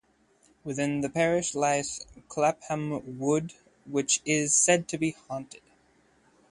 Within the parish lies Clapham Wood, which is said to be haunted.